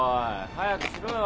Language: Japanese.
早くしろよ！